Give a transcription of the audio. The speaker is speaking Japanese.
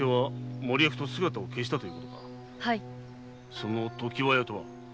その常盤屋とは？